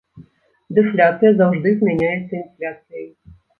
Дэфляцыя заўжды змяняецца інфляцыяй.